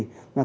công nghệ mà